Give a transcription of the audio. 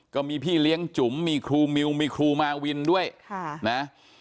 ก็มีพี่เลี้ยงจุ๋มมีครูมิวมีครูมาวินด้วยนะ